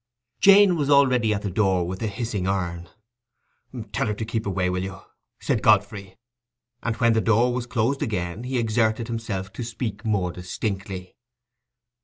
Jane was already at the door with the hissing urn. "Tell her to keep away, will you?" said Godfrey; and when the door was closed again he exerted himself to speak more distinctly.